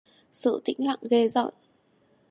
Sự tĩnh lặng ghê rợn